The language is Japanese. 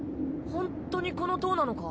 ほんとにこの塔なのか？